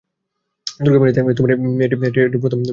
তুর্কমেনিস্তানে এটি প্রথম পণ্য ফ্লাইট ছিল।